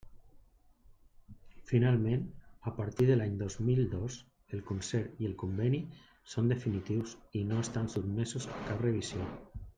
Finalment, a partir de l'any dos mil dos el concert i el conveni són definitius i no estan sotmesos a cap revisió.